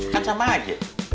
kan sama aja